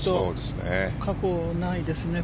過去ないですね